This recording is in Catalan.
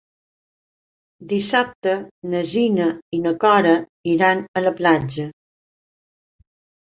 Dissabte na Gina i na Cora iran a la platja.